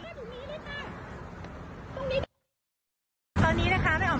ตรงนี้ตอนนี้นะคะไม่ออกมาลงพื้นที่มาดูดิว่าเขาเก็บสายต่างต่างหรือยัง